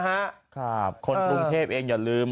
ครับคนกรุงเทพเองอย่าลืม